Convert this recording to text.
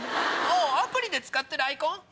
あぁアプリで使ってるアイコン？